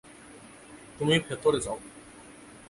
তুমি ভেতরে যাও।